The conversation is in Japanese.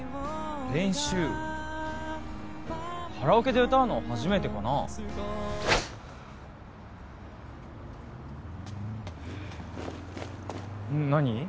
練習カラオケで歌うの初めてかな何？